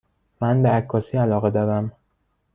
من به عکاسی علاقه دارم.